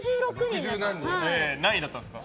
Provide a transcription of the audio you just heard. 何位だったんですか？